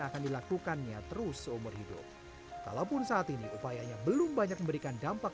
akan dilakukannya terus seumur hidup kalaupun saat ini upayanya belum banyak memberikan dampak